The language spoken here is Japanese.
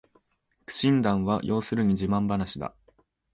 苦心談は要するに自慢ばなしだ